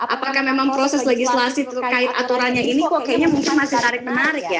apakah memang proses legislasi terkait aturannya ini kok kayaknya mungkin masih tarik menarik ya